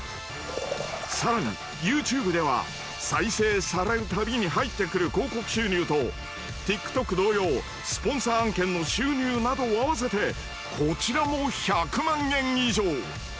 更にＹｏｕＴｕｂｅでは再生されるたびに入ってくる広告収入とＴｉｋＴｏｋ同様スポンサー案件の収入などを合わせてこちらも１００万円以上。